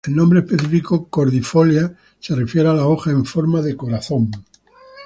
El nombre específico, "cordifolia", se refiere a la hoja en forma de corazón.